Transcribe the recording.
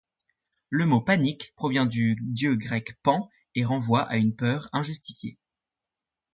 Le mot panique provient du dieu grec Pan et renvoie à une peur injustifiée.